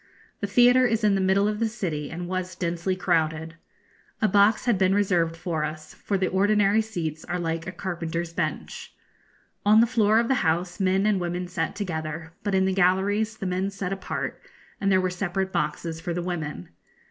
The theatre is in the middle of the city, and was densely crowded. A box had been reserved for us, for the ordinary seats are like a carpenter's bench. On the floor of the house men and women sat together, but in the galleries the men sat apart, and there were separate boxes for the women.